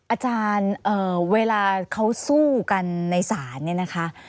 อาจารย์เวลาเขาสู้กันในศาลเนี่ยนะคะ